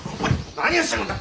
何をしてるんだ！